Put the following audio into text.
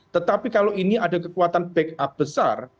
tetapi kalau ini ada kekuatan back up besar